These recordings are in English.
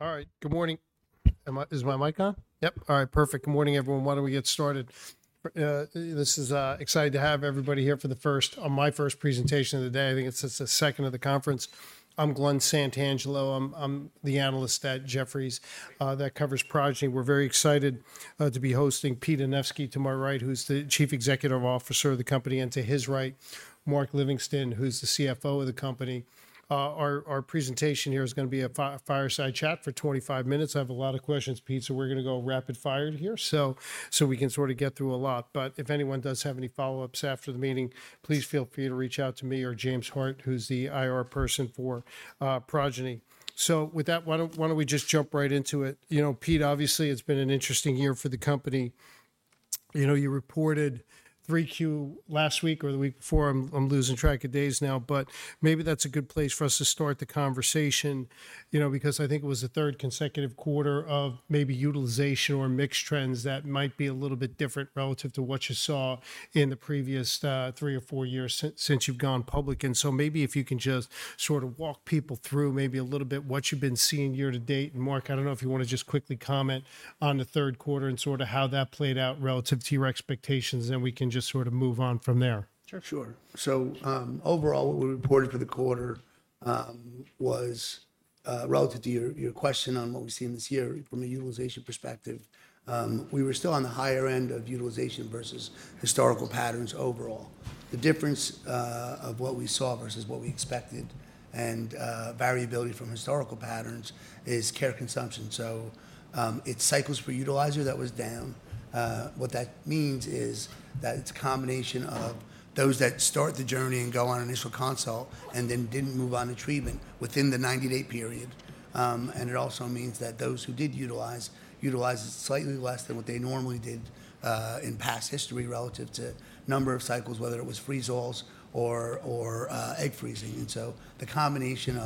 We're good? All right. Good morning. Is my mic on? Yep. All right. Perfect. Good morning, everyone. Why don't we get started? Excited to have everybody here for the first, my first presentation of the day. I think it's the second of the conference. I'm Glenn Santangelo. I'm the analyst at Jefferies that covers Progyny. We're very excited to be hosting Pete Anevski to my right, who's the Chief Executive Officer of the company, and to his right, Mark Livingston, who's the CFO of the company. Our presentation here is going to be a fireside chat for 25 minutes. I have a lot of questions, Pete, so we're going to go rapid-fire here, so we can sort of get through a lot. But if anyone does have any follow-ups after the meeting, please feel free to reach out to me or James Hart, who's the IR person for Progyny. So with that, why don't we just jump right into it? You know, Pete, obviously, it's been an interesting year for the company. You know, you reported 3Q last week or the week before. I'm losing track of days now, but maybe that's a good place for us to start the conversation, you know, because I think it was the third consecutive quarter of maybe utilization or mixed trends that might be a little bit different relative to what you saw in the previous three or four years since you've gone public. And so maybe if you can just sort of walk people through maybe a little bit what you've been seeing year to date. Mark, I don't know if you want to just quickly comment on the third quarter and sort of how that played out relative to your expectations, and then we can just sort of move on from there. Sure. Sure. So, overall, what we reported for the quarter was relative to your your question on what we've seen this year from a utilization perspective, we were still on the higher end of utilization versus historical patterns overall. The difference of what we saw versus what we expected and variability from historical patterns is care consumption. So, it's cycles per utilizer that was down. What that means is that it's a combination of those that start the journey and go on initial consult and then didn't move on to treatment within the 90-day period, and it also means that those who did utilize utilized slightly less than what they normally did in past history relative to number of cycles, whether it was freeze-alls or egg freezing. And so the combination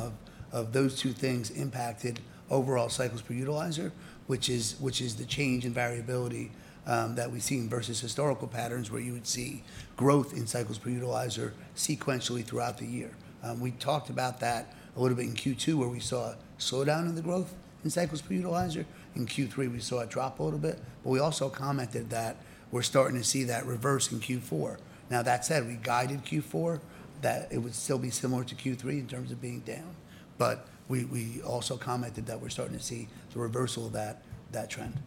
of those two things impacted overall cycles per utilizer, which is the change in variability that we've seen versus historical patterns where you would see growth in cycles per utilizer sequentially throughout the year. We talked about that a little bit in Q2, where we saw a slowdown in the growth in cycles per utilizer. In Q3, we saw a drop a little bit, but we also commented that we're starting to see that reverse in Q4. Now, that said, we guided Q4 that it would still be similar to Q3 in terms of being down, but we also commented that we're starting to see the reversal of that trend.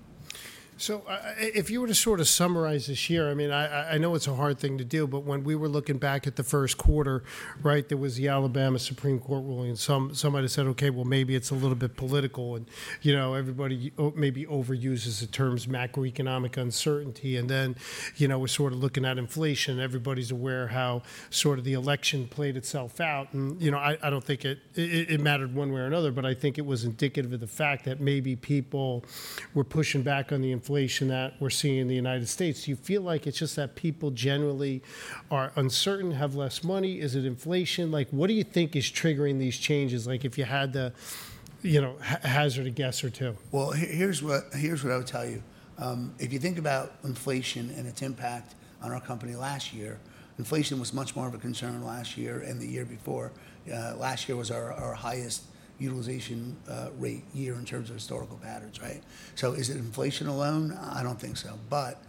So, if you were to sort of summarize this year, I mean, I know it's a hard thing to do, but when we were looking back at the first quarter, right, there was the Alabama Supreme Court ruling, and some might have said, "Okay, well, maybe it's a little bit political," and, you know, everybody maybe overuses the terms macroeconomic uncertainty. And then, you know, we're sort of looking at inflation, and everybody's aware how sort of the election played itself out. And, you know, I don't think it mattered one way or another, but I think it was indicative of the fact that maybe people were pushing back on the inflation that we're seeing in the United States. Do you feel like it's just that people generally are uncertain, have less money? Is it inflation? Like, what do you think is triggering these changes? Like, if you had to, you know, hazard a guess or two. Well, here's what I would tell you. If you think about inflation and its impact on our company last year, inflation was much more of a concern last year and the year before. Last year was our highest utilization rate year in terms of historical patterns, right? So is it inflation alone? I don't think so. But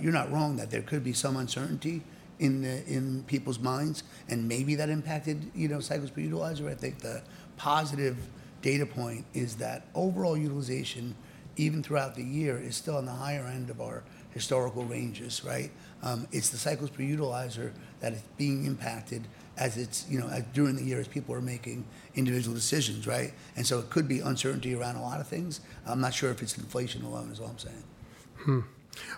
you're not wrong that there could be some uncertainty in people's minds, and maybe that impacted, you know, cycles per utilizer. I think the positive data point is that overall utilization, even throughout the year, is still on the higher end of our historical ranges, right? It's the cycles per utilizer that is being impacted as it's, you know, during the year as people are making individual decisions, right? And so it could be uncertainty around a lot of things. I'm not sure if it's inflation alone is all I'm saying.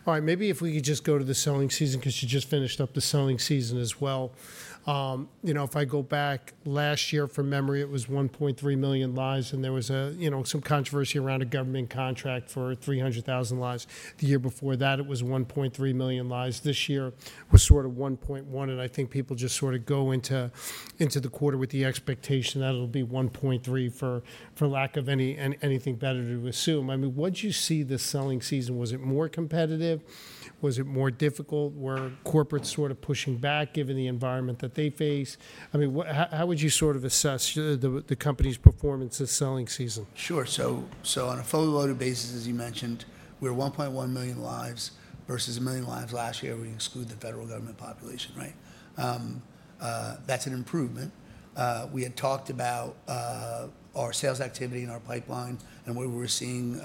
All right. Maybe if we could just go to the selling season, because you just finished up the selling season as well. You know, if I go back last year from memory, it was 1.3 million lives, and there was a you know some controversy around a government contract for 300,000 lives. The year before that, it was 1.3 million lives. This year was sort of 1.1, and I think people just sort of go into the quarter with the expectation that it'll be 1.3 for lack of anything better to assume. I mean, what'd you see this selling season? Was it more competitive? Was it more difficult? Were corporates sort of pushing back given the environment that they face? I mean, how would you sort of assess the company's performance this selling season? Sure. So on a fully loaded basis, as you mentioned, we were 1.1 million lives versus a million lives last year when you exclude the federal government population, right? That's an improvement. We had talked about our sales activity and our pipeline and what we were seeing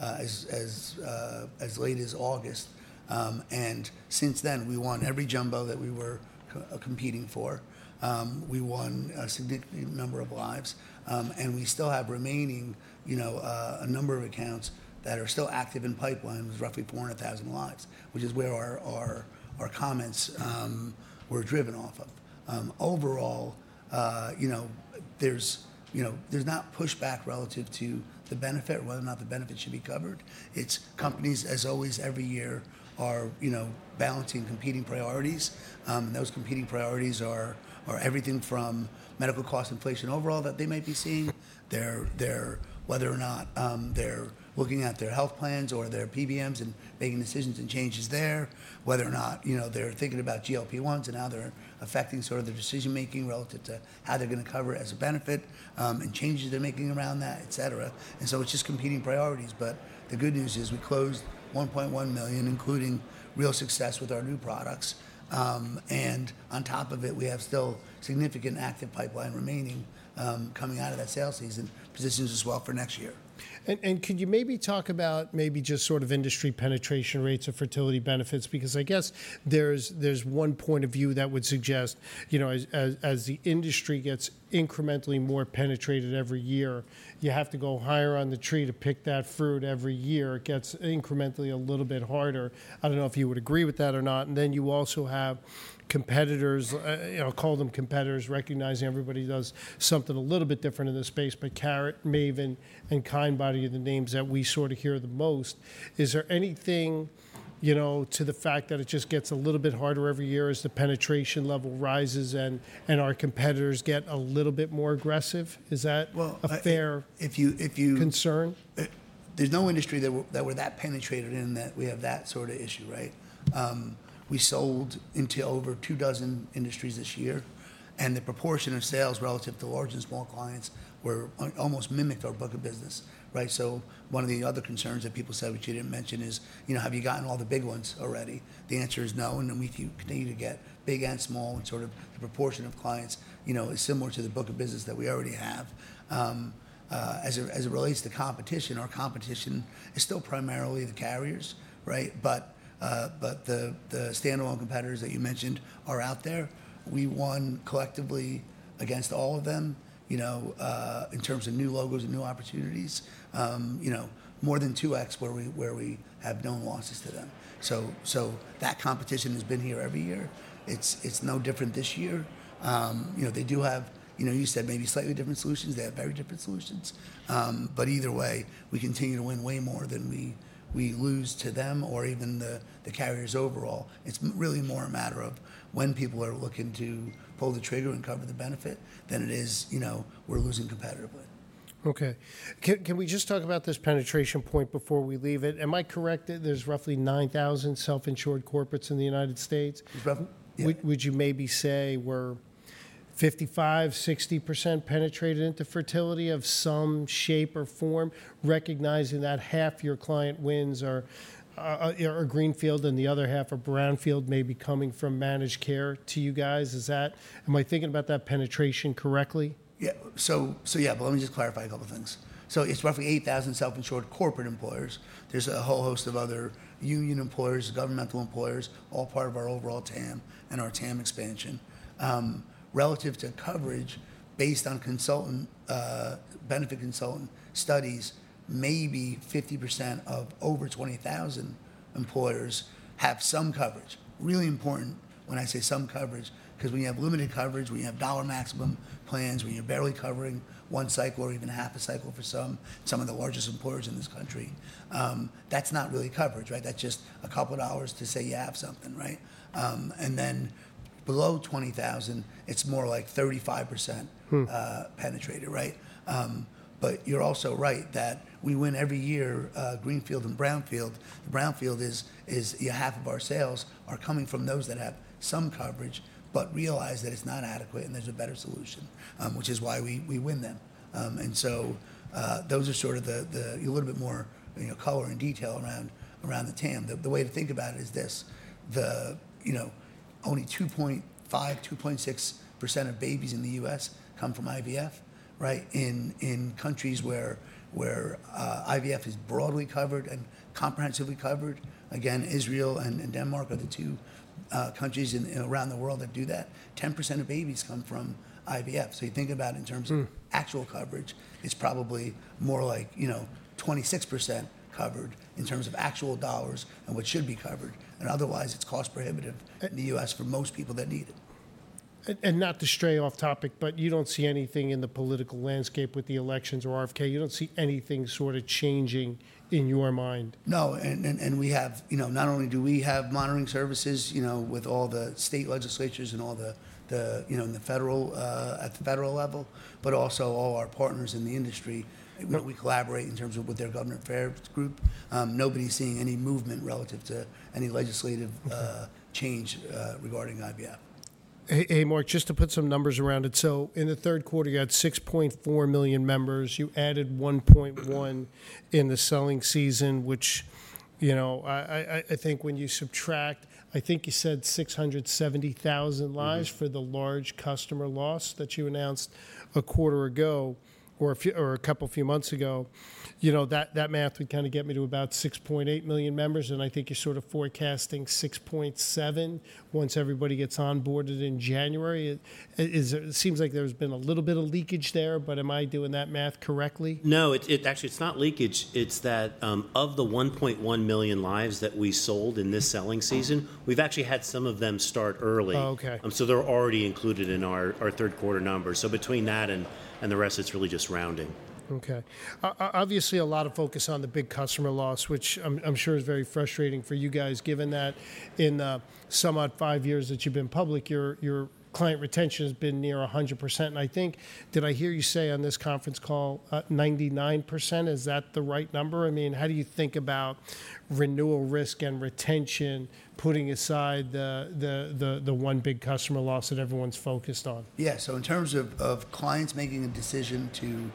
as late as August, and since then, we won every jumbo that we were competing for. We won a significant number of lives. And we still have remaining, you know, a number of accounts that are still active in pipeline, roughly 400,000 lives, which is where our comments were driven off of. Overall, you know, there's not pushback relative to the benefit or whether or not the benefit should be covered. It's companies, as always, every year are, you know, balancing competing priorities. And those competing priorities are everything from medical cost inflation overall that they might be seeing, their whether or not they're looking at their health plans or their PBMs and making decisions and changes there, whether or not, you know, they're thinking about GLP-1s and how they're affecting sort of their decision-making relative to how they're going to cover it as a benefit, and changes they're making around that, et cetera. And so it's just competing priorities. But the good news is we closed $1.1 million, including real success with our new products. And on top of it, we have still significant active pipeline remaining, coming out of that sales season positions as well for next year. Could you maybe talk about maybe just sort of industry penetration rates of fertility benefits? Because I guess there's one point of view that would suggest, you know, as the industry gets incrementally more penetrated every year, you have to go higher on the tree to pick that fruit every year. It gets incrementally a little bit harder. I don't know if you would agree with that or not. And then you also have competitors, you know, I'll call them competitors, recognizing everybody does something a little bit different in this space, but Carrot, Maven, and Kindbody are the names that we sort of hear the most. Is there anything, you know, to the fact that it just gets a little bit harder every year as the penetration level rises and our competitors get a little bit more aggressive? Is that a fair concern? If you. There's no industry that we're that penetrated in that we have that sort of issue, right? We sold into over two dozen industries this year, and the proportion of sales relative to large and small clients were almost mimicked our book of business, right? So one of the other concerns that people said, which you didn't mention, is, you know, have you gotten all the big ones already? The answer is no. And then we continue to get big and small, and sort of the proportion of clients, you know, is similar to the book of business that we already have. As it relates to competition, our competition is still primarily the carriers, right? But the standalone competitors that you mentioned are out there. We won collectively against all of them, you know, in terms of new logos and new opportunities. You know, more than 2X where we, where we have known losses to them. So, so that competition has been here every year. It's, it's no different this year. You know, they do have, you know, you said maybe slightly different solutions. They have very different solutions. But either way, we continue to win way more than we, we lose to them or even the, the carriers overall. It's really more a matter of when people are looking to pull the trigger and cover the benefit than it is, you know, we're losing competitively. Okay. Can, can we just talk about this penetration point before we leave it? Am I correct that there's roughly 9,000 self-insured corporates in the United States? Roughly. Would you maybe say we're 55%-60% penetrated into fertility of some shape or form, recognizing that half your client wins are greenfield and the other half are brownfield, maybe coming from managed care to you guys? Is that, am I thinking about that penetration correctly? Yeah. So, so yeah, but let me just clarify a couple of things. So it's roughly 8,000 self-insured corporate employers. There's a whole host of other union employers, governmental employers, all part of our overall TAM and our TAM expansion. Relative to coverage based on benefits consultant studies, maybe 50% of over 20,000 employers have some coverage. Really important when I say some coverage, because when you have limited coverage, when you have dollar maximum plans, when you're barely covering one cycle or even half a cycle for some of the largest employers in this country, that's not really coverage, right? That's just a couple of dollars to say you have something, right, and then below 20,000, it's more like 35% penetrated, right, but you're also right that we win every year, greenfield and brownfield. The brownfield is, you know, half of our sales are coming from those that have some coverage, but realize that it's not adequate and there's a better solution, which is why we win them, and so those are sort of a little bit more, you know, color and detail around the TAM. The way to think about it is this: you know, only 2.5-2.6% of babies in the U.S. come from IVF, right? In countries where IVF is broadly covered and comprehensively covered. Again, Israel and Denmark are the two countries in the world that do that. 10% of babies come from IVF. So you think about it in terms of actual coverage, it's probably more like, you know, 26% covered in terms of actual dollars and what should be covered. Otherwise, it's cost prohibitive in the U.S. for most people that need it. Not to stray off topic, but you don't see anything in the political landscape with the elections or RFK. You don't see anything sort of changing in your mind? No. And we have, you know, not only do we have monitoring services, you know, with all the state legislatures and all the you know in the federal, at the federal level, but also all our partners in the industry where we collaborate in terms of with their government affairs group. Nobody's seeing any movement relative to any legislative change regarding IVF. Hey, Mark, just to put some numbers around it. So in the third quarter, you had 6.4 million members. You added 1.1 in the selling season, which, you know, I think when you subtract, I think you said 670,000 lives for the large customer loss that you announced a quarter ago or a few or a couple of months ago. You know, that math would kind of get me to about 6.8 million members. And I think you're sort of forecasting 6.7 once everybody gets onboarded in January. It seems like there's been a little bit of leakage there, but am I doing that math correctly? No, it's actually not leakage. It's that of the 1.1 million lives that we sold in this selling season, we've actually had some of them start early. Oh, okay. So they're already included in our third quarter numbers. So between that and the rest, it's really just rounding. Okay. Obviously a lot of focus on the big customer loss, which I'm sure is very frustrating for you guys, given that in somewhat five years that you've been public, your client retention has been near 100%. And I think, did I hear you say on this conference call, 99%? Is that the right number? I mean, how do you think about renewal risk and retention, putting aside the one big customer loss that everyone's focused on? Yeah. So in terms of clients making a decision to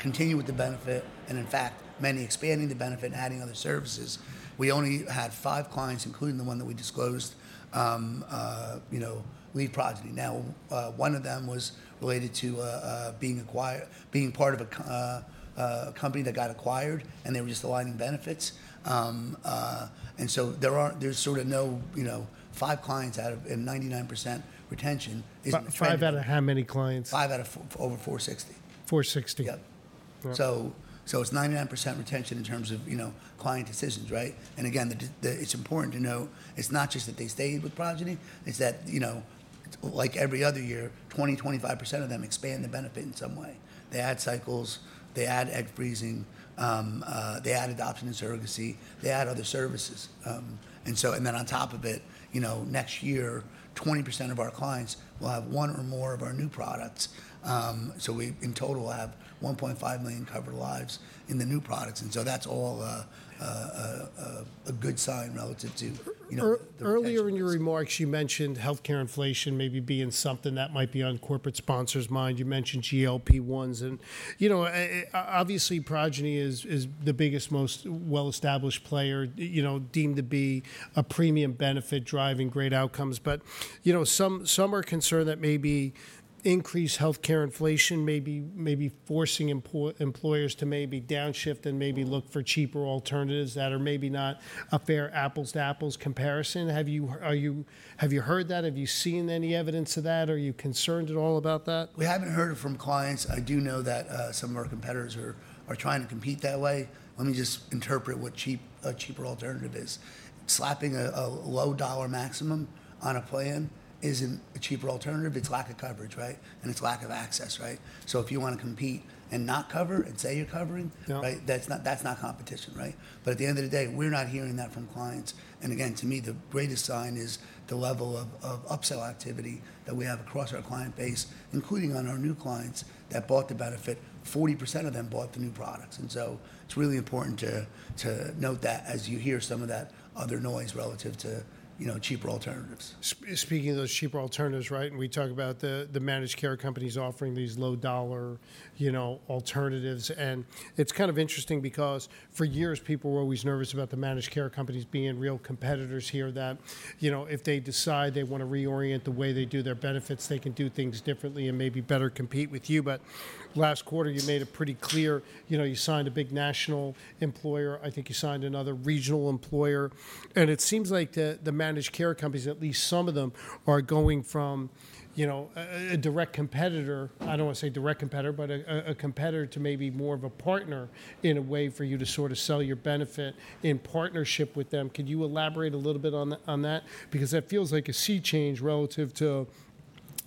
continue with the benefit and in fact many expanding the benefit and adding other services, we only had five clients, including the one that we disclosed, you know, left Progyny. Now, one of them was related to being acquired, being part of a company that got acquired, and they were just aligning benefits. And so there aren't, there's sort of no, you know, five clients out of, and 99% retention isn't bad. Five out of how many clients? Five out of four, over 460. 460. Yeah. So it's 99% retention in terms of, you know, client decisions, right? And again, the it's important to know it's not just that they stayed with Progyny, it's that, you know, like every other year, 20%-25% of them expand the benefit in some way. They add cycles, they add egg freezing, they add adoption and surrogacy, they add other services. And then on top of it, you know, next year, 20% of our clients will have one or more of our new products. We in total have 1.5 million covered lives in the new products. And that's all a good sign relative to, you know. Earlier in your remarks, you mentioned healthcare inflation maybe being something that might be on corporate sponsors' minds. You mentioned GLP-1s and, you know, obviously Progyny is the biggest, most well-established player, you know, deemed to be a premium benefit driving great outcomes. But, you know, some are concerned that maybe increased healthcare inflation may be forcing employers to maybe downshift and maybe look for cheaper alternatives that are maybe not a fair apples to apples comparison. Have you heard that? Have you seen any evidence of that? Are you concerned at all about that? We haven't heard it from clients. I do know that some of our competitors are trying to compete that way. Let me just interpret what cheap, cheaper alternative is. Slapping a low dollar maximum on a plan isn't a cheaper alternative. It's lack of coverage, right? And it's lack of access, right? So if you want to compete and not cover and say you're covering, right, that's not competition, right? But at the end of the day, we're not hearing that from clients. And again, to me, the greatest sign is the level of upsell activity that we have across our client base, including on our new clients that bought the benefit. 40% of them bought the new products. And so it's really important to note that as you hear some of that other noise relative to, you know, cheaper alternatives. Speaking of those cheaper alternatives, right? And we talk about the managed care companies offering these low-dollar, you know, alternatives. And it's kind of interesting because for years people were always nervous about the managed care companies being real competitors here that, you know, if they decide they want to reorient the way they do their benefits, they can do things differently and maybe better compete with you. But last quarter you made it pretty clear, you know, you signed a big national employer. I think you signed another regional employer. And it seems like the managed care companies, at least some of them are going from, you know, a competitor to maybe more of a partner in a way for you to sort of sell your benefit in partnership with them. Could you elaborate a little bit on that? Because that feels like a sea change relative to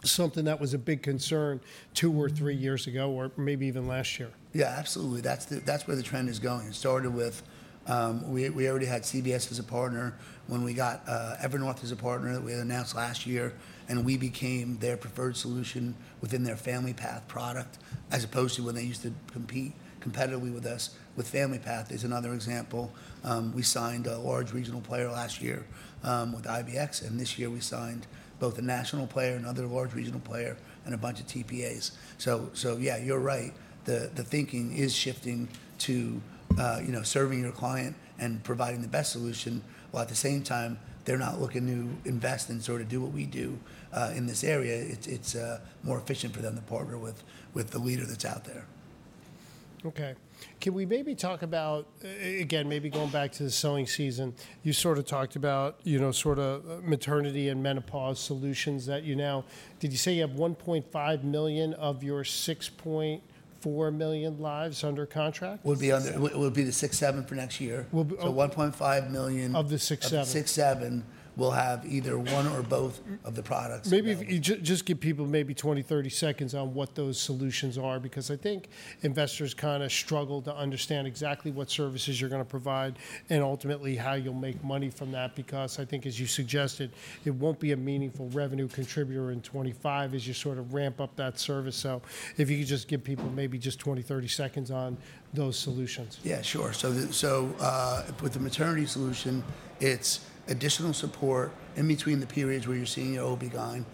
something that was a big concern two or three years ago or maybe even last year. Yeah, absolutely. That's the, that's where the trend is going. It started with we already had CVS as a partner when we got Evernorth as a partner that we announced last year, and we became their preferred solution within their FamilyPath product as opposed to when they used to compete competitively with us. With FamilyPath is another example. We signed a large regional player last year, with Independence Blue Cross, and this year we signed both a national player and another large regional player and a bunch of TPAs. So, so yeah, you're right. The, the thinking is shifting to, you know, serving your client and providing the best solution. While at the same time, they're not looking to invest and sort of do what we do, in this area, it's, it's, more efficient for them to partner with, with the leader that's out there. Okay. Can we maybe talk about, again, maybe going back to the selling season, you sort of talked about, you know, sort of maternity and menopause solutions that you now, did you say you have 1.5 million of your 6.4 million lives under contract? Would be the 67 for next year. 1.5 million. Of the 67. Of 67, we'll have either one or both of the products. Maybe just give people maybe 20-30 seconds on what those solutions are, because I think investors kind of struggle to understand exactly what services you're going to provide and ultimately how you'll make money from that. Because I think, as you suggested, it won't be a meaningful revenue contributor in 2025 as you sort of ramp up that service. So if you could just give people maybe 20-30 seconds on those solutions. Yeah. Sure. So with the Maternity Solution, it's additional support in between the periods where you're seeing your OB-GYN,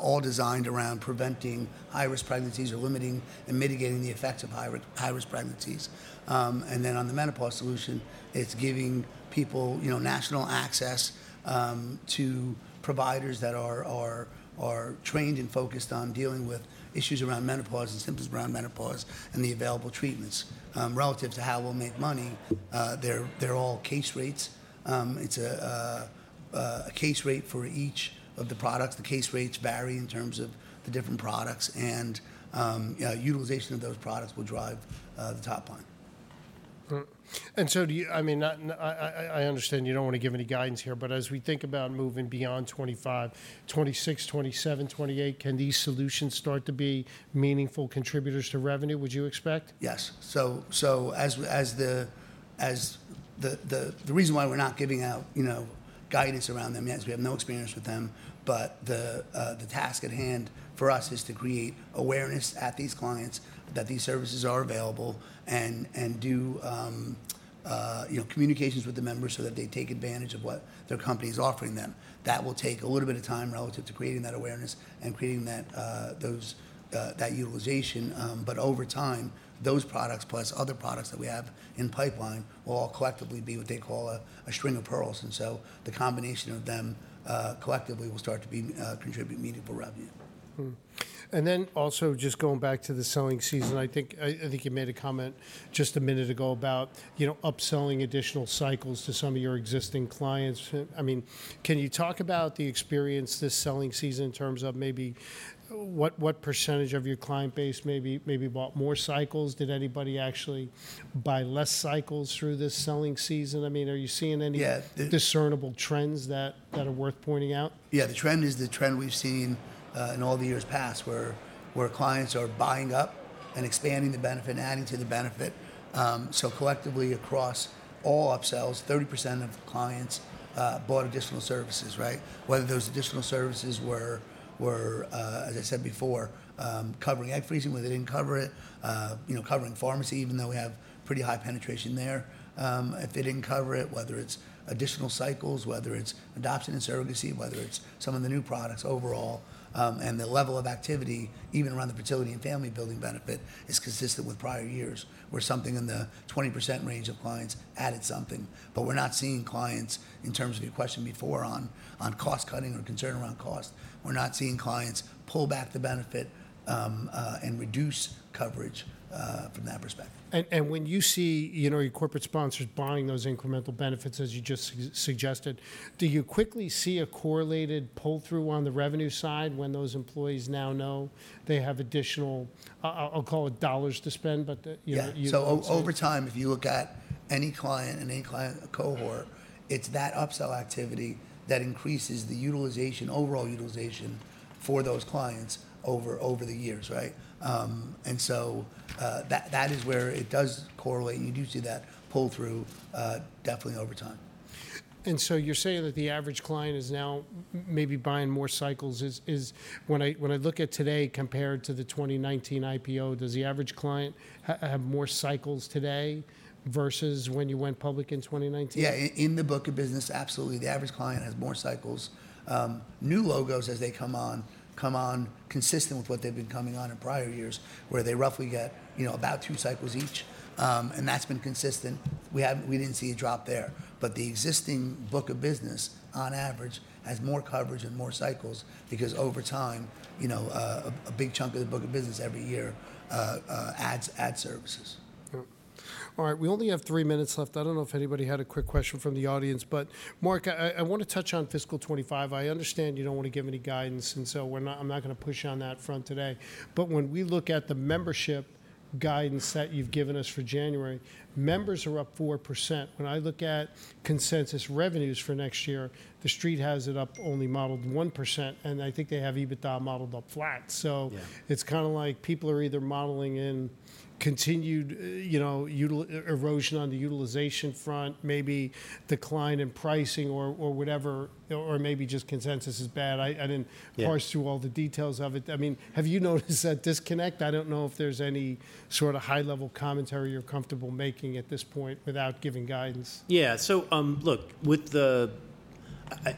all designed around preventing high-risk pregnancies or limiting and mitigating the effects of high-risk pregnancies. Then on the Menopause Solution, it's giving people, you know, national access to providers that are trained and focused on dealing with issues around menopause and symptoms around menopause and the available treatments, relative to how we'll make money. They're all case rates. It's a case rate for each of the products. The case rates vary in terms of the different products, and utilization of those products will drive the top line. And so, do you? I mean, I understand you don't want to give any guidance here, but as we think about moving beyond 2025, 2026, 2027, 2028, can these solutions start to be meaningful contributors to revenue? Would you expect? Yes. So, as the reason why we're not giving out, you know, guidance around them yet is we have no experience with them. But the task at hand for us is to create awareness at these clients that these services are available and do, you know, communications with the members so that they take advantage of what their company is offering them. That will take a little bit of time relative to creating that awareness and creating that utilization. But over time, those products plus other products that we have in pipeline will all collectively be what they call a string of pearls. And so the combination of them, collectively will start to contribute meaningful revenue. And then also just going back to the selling season, I think, I think you made a comment just a minute ago about, you know, upselling additional cycles to some of your existing clients. I mean, can you talk about the experience this selling season in terms of maybe what, what percentage of your client base maybe, maybe bought more cycles? Did anybody actually buy less cycles through this selling season? I mean, are you seeing any discernible trends that, that are worth pointing out? Yeah, the trend is the trend we've seen in all the years past where clients are buying up and expanding the benefit and adding to the benefit. So collectively across all upsells, 30% of clients bought additional services, right? Whether those additional services were, as I said before, covering egg freezing where they didn't cover it, you know, covering pharmacy, even though we have pretty high penetration there. If they didn't cover it, whether it's additional cycles, whether it's adoption and surrogacy, whether it's some of the new products overall, and the level of activity even around the fertility and family building benefit is consistent with prior years where something in the 20% range of clients added something. But we're not seeing clients in terms of your question before on cost cutting or concern around cost. We're not seeing clients pull back the benefit, and reduce coverage, from that perspective. And when you see, you know, your corporate sponsors buying those incremental benefits, as you just suggested, do you quickly see a correlated pull through on the revenue side when those employees now know they have additional, I'll call it dollars to spend, but you know? Yeah. So over time, if you look at any client and any client cohort, it's that upsell activity that increases the utilization, overall utilization for those clients over the years, right? And so, that is where it does correlate. And you do see that pull through, definitely over time. And so you're saying that the average client is now maybe buying more cycles? When I look at today compared to the 2019 IPO, does the average client have more cycles today versus when you went public in 2019? Yeah. In the book of business, absolutely. The average client has more cycles. New logos as they come on consistent with what they've been coming on in prior years, where they roughly get, you know, about two cycles each, and that's been consistent. We didn't see a drop there, but the existing book of business on average has more coverage and more cycles because over time, you know, a big chunk of the book of business every year adds services. All right. We only have three minutes left. I don't know if anybody had a quick question from the audience, but Mark, I want to touch on fiscal 2025. I understand you don't want to give any guidance. And so we're not, I'm not going to push on that front today. But when we look at the membership guidance that you've given us for January, members are up 4%. When I look at consensus revenues for next year, the Street has it up only modeled 1%. And I think they have EBITDA modeled up flat. So it's kind of like people are either modeling in continued, you know, erosion on the utilization front, maybe decline in pricing or whatever, or maybe just consensus is bad. I didn't parse through all the details of it. I mean, have you noticed that disconnect? I don't know if there's any sort of high level commentary you're comfortable making at this point without giving guidance. Yeah. So, look, with the,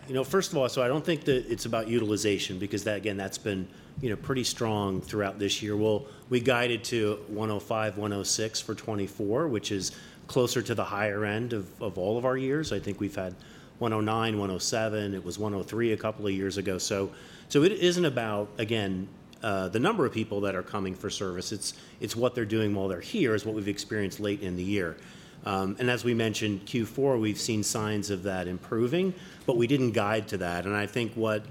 you know, first of all, so I don't think that it's about utilization because that, again, that's been, you know, pretty strong throughout this year. Well, we guided to 105, 106 for 2024, which is closer to the higher end of, of all of our years. I think we've had 109, 107, it was 103 a couple of years ago. So, so it isn't about, again, the number of people that are coming for service. It's, it's what they're doing while they're here is what we've experienced late in the year. And as we mentioned, Q4, we've seen signs of that improving, but we didn't guide to that. I think what,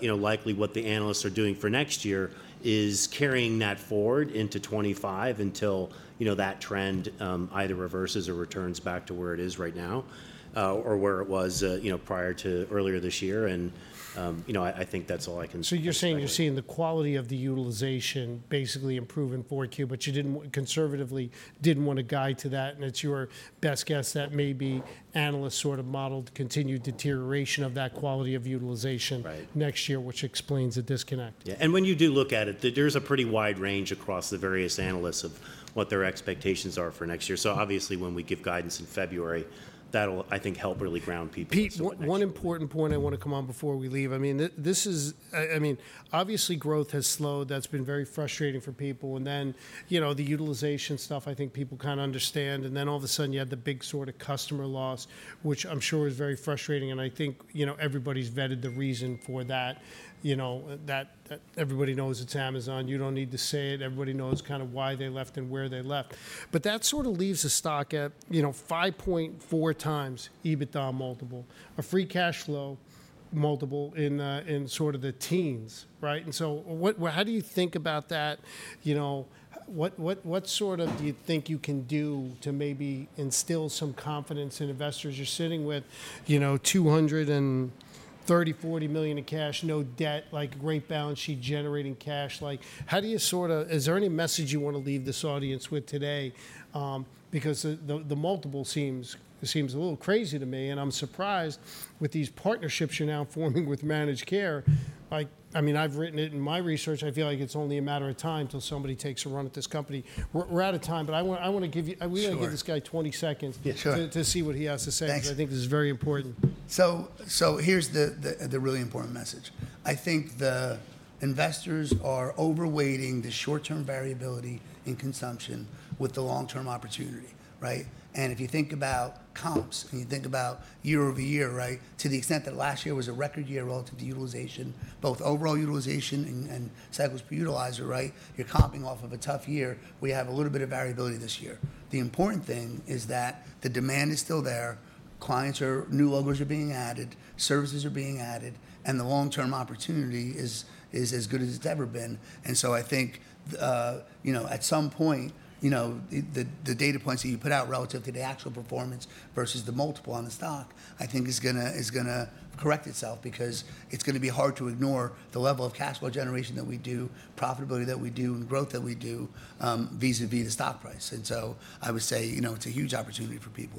you know, likely what the analysts are doing for next year is carrying that forward into 2025 until, you know, that trend either reverses or returns back to where it is right now, or where it was, you know, prior to earlier this year. I think that's all I can say. So, you're saying you're seeing the quality of the utilization basically improve in Q4, but you didn't conservatively want to guide to that. And it's your best guess that maybe analysts sort of modeled continued deterioration of that quality of utilization next year, which explains the disconnect. Yeah. And when you do look at it, there's a pretty wide range across the various analysts of what their expectations are for next year. So obviously when we give guidance in February, that'll, I think, help really ground people. Pete, one important point I want to come on before we leave. I mean, this is, I mean, obviously growth has slowed. That's been very frustrating for people. And then, you know, the utilization stuff, I think people kind of understand. And then all of a sudden you had the big sort of customer loss, which I'm sure is very frustrating. And I think, you know, everybody's vetted the reason for that, you know, that, that everybody knows it's Amazon. You don't need to say it. Everybody knows kind of why they left and where they left. But that sort of leaves a stock at, you know, 5.4 times EBITDA multiple, a free cash flow multiple in, in sort of the teens, right? And so what, how do you think about that? You know, what sort of do you think you can do to maybe instill some confidence in investors? You're sitting with, you know, $230-240 million in cash, no debt, like great balance sheet generating cash. Like how do you sort of, is there any message you want to leave this audience with today? Because the multiple seems a little crazy to me. And I'm surprised with these partnerships you're now forming with managed care. Like, I mean, I've written it in my research. I feel like it's only a matter of time until somebody takes a run at this company. We're out of time, but I want to give this guy 20 seconds to see what he has to say. I think this is very important. So, here's the really important message. I think the investors are overweighting the short-term variability in consumption with the long-term opportunity, right? And if you think about comps and you think about year over year, right, to the extent that last year was a record year relative to utilization, both overall utilization and cycles per utilizer, right? You're comping off of a tough year. We have a little bit of variability this year. The important thing is that the demand is still there. Clients, new logos are being added, services are being added, and the long-term opportunity is as good as it's ever been. And so I think, you know, at some point, you know, the data points that you put out relative to the actual performance versus the multiple on the stock, I think is going to correct itself because it's going to be hard to ignore the level of cash flow generation that we do, profitability that we do, and growth that we do, vis-à-vis the stock price. And so I would say, you know, it's a huge opportunity for people.